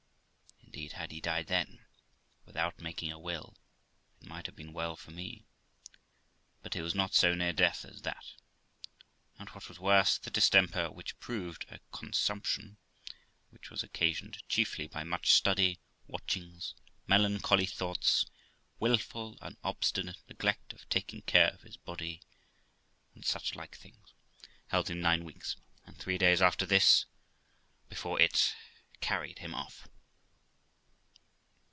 Indeed, had he died then, without making a will, it might have been well for me ; but he was not so near death as that; and, what was worse, the distemper, which proved a con sumption (which was occasioned chiefly by much study, watchings, melancholy thoughts, wilful and obstinate neglect of taking care of his body, and such like things), held him nine weeks and three days after this, before it carried him off.